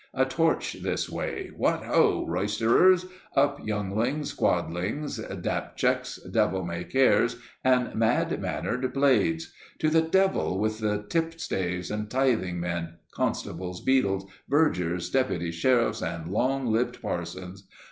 A torch this way! What ho! Roysterers! Up younglings, quodlings, dabchicks, devil may cares and mad mannered blades! To the devil with the tip staves and tithing men, constables, beadles, vergers, deputy sheriffs and long lipped parsons!